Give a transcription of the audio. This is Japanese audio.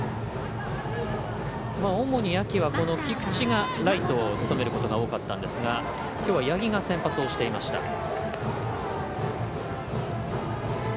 主に、秋はこの菊池がライトを務めることが多かったんですがきょうは八木が先発をしていました。